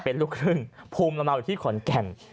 เป็นลูกครึ่งภูมิลำเนาอยู่ที่ขอนแก่น